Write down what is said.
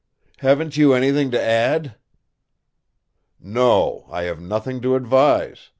"Haven't you anything to add?" "No, I have nothing to advise.